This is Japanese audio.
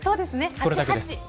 それだけです。